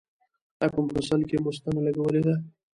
ایا په مفصل کې مو ستنه لګولې ده؟